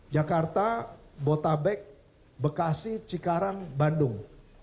jakarta botabek bekasi cikarang bandung